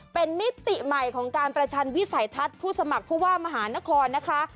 เป็นมิติใหม่ของการประชันวิสัยทัศน์ผู้สมัครผู้ว่ามหานครนะคะ